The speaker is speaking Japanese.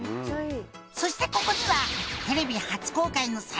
「そしてここには」